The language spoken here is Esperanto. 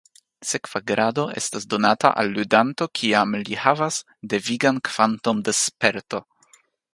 Sekva grado estas donata al ludanto kiam li havas devigan kvanton de "sperto".